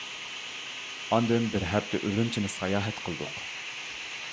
ئاندىن بىر ھەپتە ئۈرۈمچىنى ساياھەت قىلدۇق.